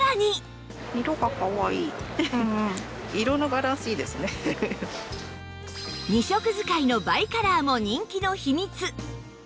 ２色使いのバイカラーも人気の秘密！